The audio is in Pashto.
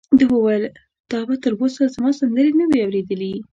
ده وویل: تا به تر اوسه زما سندرې نه وي اورېدلې؟